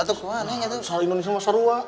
itu gimana itu salah indonesia masa ruang